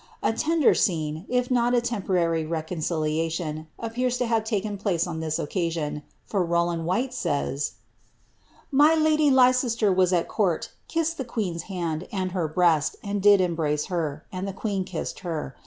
A leaiin scene, if not a temporary reconriliaiion, appears lo have taken place on this occasion, for Rowland U'liyie says— '^ My lady Leicester was al court, kissed the queen's hand and Iter breast, and did embrace her, and the queen kissed her.